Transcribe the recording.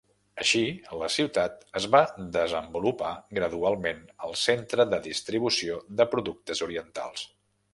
Així, la ciutat es va desenvolupar gradualment al centre de distribució de productes orientals.